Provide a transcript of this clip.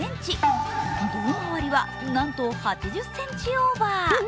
胴回りはなんと８０ｃｍオーバー。